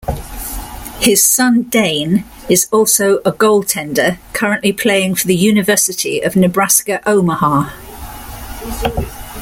His son, Dayn, is also a goaltender, currently playing for the University of Nebraska-Omaha.